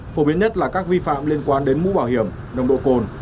phổ biến nhất là các vi phạm liên quan đến mũ bảo hiểm nồng độ cồn